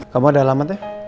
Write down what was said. kamu ada alamatnya